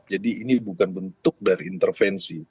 jadi ini bukan bentuk dari intervensi